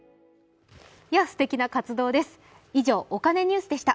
すてきな活動です。